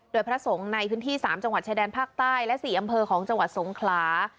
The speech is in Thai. โดยพระสงฆ์ในพื้นที่๓จังหวัดชายแดนภาคใต้และ๔อำเภอของจังหวัดสงขลา